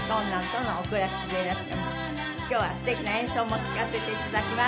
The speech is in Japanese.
今日はすてきな演奏も聴かせて頂きます。